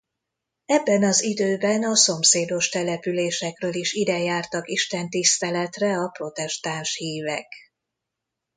Ebben az időben a szomszédos településekről is ide jártak istentiszteletre a protestáns hívek.